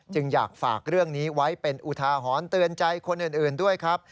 อยากฝากเรื่องนี้ไว้เป็นอุทาหรณ์เตือนใจคนอื่นด้วยครับ